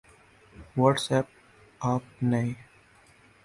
what's app آپ نئے